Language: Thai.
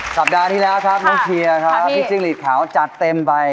สัปดาห์ที่แล้วครับน้องเชียร์ครับพี่จิ้งหลีดขาวจัดเต็มไป